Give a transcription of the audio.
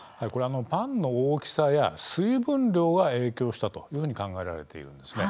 パンの大きさや水分量が影響したというふうに考えられているんです。